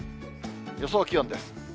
予想気温です。